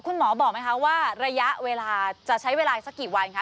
คุณหมอบอกไหมคะว่าระยะเวลาจะใช้เวลาสักกี่วันคะ